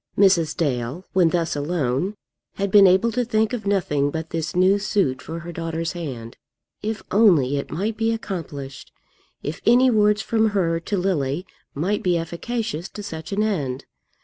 Mrs. Dale, when thus alone, had been able to think of nothing but this new suit for her daughter's hand. If only it might be accomplished! If any words from her to Lily might be efficacious to such an end!